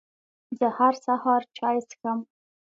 زه هر سهار چای څښم.